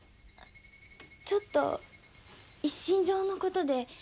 ちょっと一身上のことで。